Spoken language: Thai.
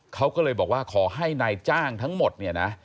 เขาก็เลยบอกว่าขอให้นายจ้างทั้งหมดเนี่ยนะ